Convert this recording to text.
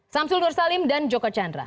samsul nur salim dan joko chandra